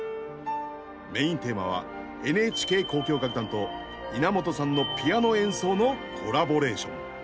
メインテーマはＮＨＫ交響楽団と稲本さんのピアノ演奏のコラボレーション。